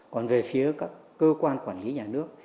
còn về phía các cơ quan quản lý nhà nước